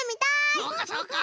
そうかそうか！